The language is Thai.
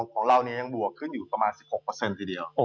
ของเรายังบวกขึ้นอยู่ประมาณ๑๖ทีเดียว